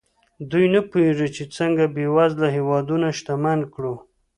دوی نه پوهېږي چې څنګه بېوزله هېوادونه شتمن کړو.